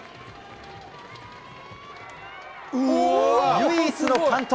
唯一の完登。